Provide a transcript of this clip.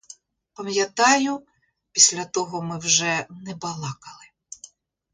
Пам'ятаю, після того ми вже не балакали.